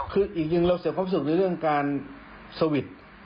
คือจริงเราเสียความสุขด้วยเรื่องการซาวิท